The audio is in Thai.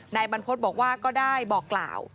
นายบรรพฤษบอกว่าก็ได้บอกกล่าว